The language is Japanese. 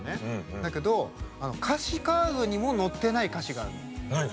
だけど歌詞カードにも載ってない歌詞があるの。